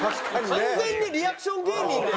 完全にリアクション芸人で。